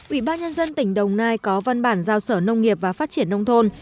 ủy ban nhân dân tỉnh đồng nai có văn bản giao sở nông nghiệp và phát triển nông thôn